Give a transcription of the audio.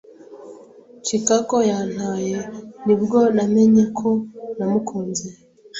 Chikako yantaye ni bwo namenye ko namukunze.